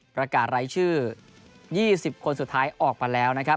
ประกาศไร้ชื่อยี่สิบคนสุดท้ายออกไปแล้วนะครับ